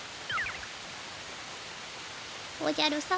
おじゃる様